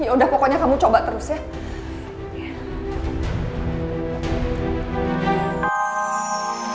yaudah pokoknya kamu coba terus ya